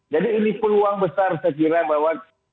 jadi ini peluang besar saya kira bahwa